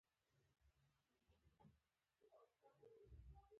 خواركى په دنيا پسې يې څومره منډې ووهلې.